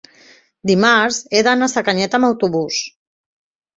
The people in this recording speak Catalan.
Dimarts he d'anar a Sacanyet amb autobús.